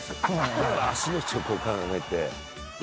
だから足の位置をこう考えて。